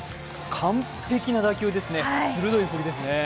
完璧な打球ですね、鋭い振りですね。